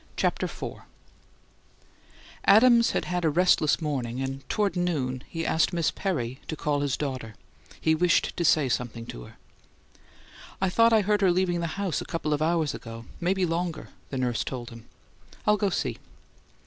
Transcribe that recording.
CHAPTER IV Adams had a restless morning, and toward noon he asked Miss Perry to call his daughter; he wished to say something to her. "I thought I heard her leaving the house a couple of hours ago maybe longer," the nurse told him. "I'll go see."